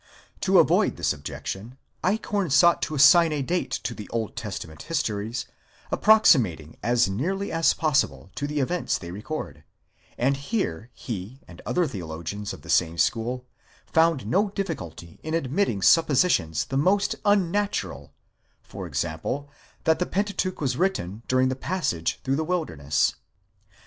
To avoid this objection, Eichhorn sought to assign a date to the Old Testament histories ᾿ approximating as nearly as possible to the events they record : and here he, and other theologians of the same school, found no difficulty in admitting sup positions the most unnatural: for example, that the Pentateuch was written during the passage through the wilderness.